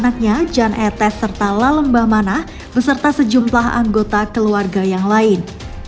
kala lembah mana beserta sejumlah anggota keluarga yang lain